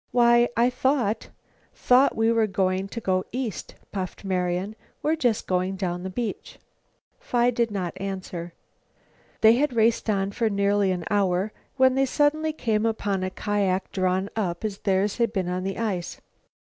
"Why, I thought thought we were going to go east," puffed Marian. "We're just going down the beach." Phi did not answer. They had raced on for nearly an hour when they suddenly came upon a kiak drawn up as theirs had been on the ice.